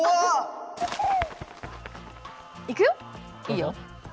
いいよ。